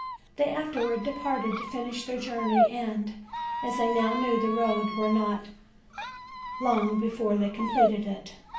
They afterward departed to finish their journey, and, as they now knew the road, were not l"iig before they completed it.